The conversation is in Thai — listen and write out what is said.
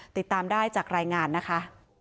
ติดตามได้จากรายงานนะคะ